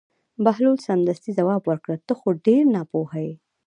بهلول سمدستي ځواب ورکړ: ته خو ډېر ناپوهه یې.